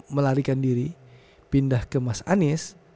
melarikan diri pindah ke mas anies